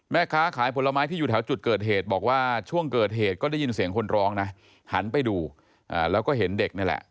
แม่ค้าขายผลไม้ที่อยู่แถวจุดเกิดเหตุบอกว่าช่วงเกิดเหตุก็ได้ยินเสียงคนร้องนะหันไปดูแล้วก็เห็นเด็กนี่แหละ